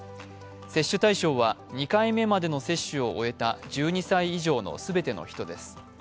接種対象は、２回目までの接種を終えた１２歳以上の全ての人です。